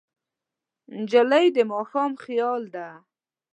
نجلۍ د ماښام خیال ده.